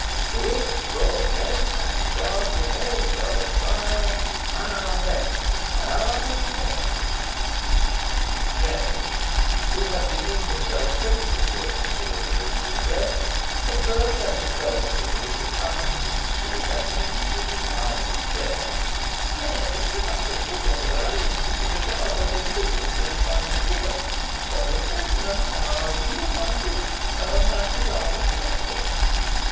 To which both men And guardian angels cry "Amen! amen!" James, who had demeaned himself critically during the delivery of the address, observed at its close to Sir Richard Hoghton, who was standing immediately behind his chair, "We cannot say meikle for the rhymes, which are but indifferently strung together, but the sentiments are leal and gude, and that is a' we care for."